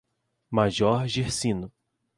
Major Gercino